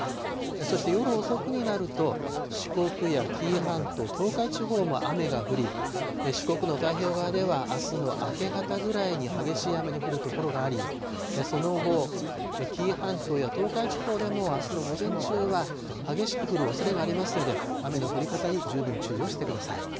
そして夜遅くになると、四国や紀伊半島、東海地方も雨が降り、四国の太平洋側ではあすの明け方ぐらいに激しい雨の降る所があり、その後、紀伊半島や東海地方でもあすの午前中は激しく降るおそれがありますので、雨の降り方に十分注意をしてください。